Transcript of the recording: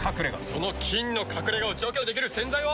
その菌の隠れ家を除去できる洗剤は。